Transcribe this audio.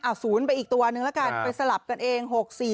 อ่ะ๐ไปอีกตัวหนึ่งแล้วกันไปสลับกันเอง๖๔๐